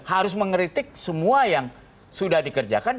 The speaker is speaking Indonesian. harus mengeritik semua yang sudah dikerjakan